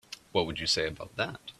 What would you say about that?